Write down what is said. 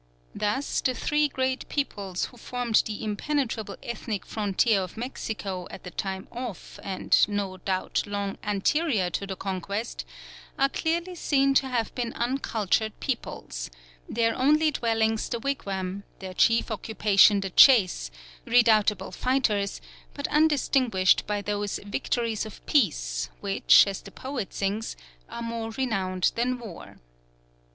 Thus the three great peoples who formed the impenetrable ethnic frontier of Mexico at the time of and no doubt long anterior to the Conquest, are clearly seen to have been uncultured peoples, their only dwellings the wigwam, their chief occupation the chase, redoubtable fighters but undistinguished by those "victories of peace" which, as the poet sings, "are more renowned than war."